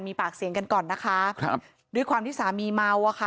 มีปากเสียงกันก่อนนะคะครับด้วยความที่สามีเมาอะค่ะ